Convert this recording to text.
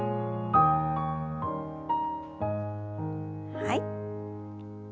はい。